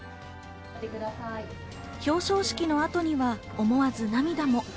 表彰式の後には思わず涙も。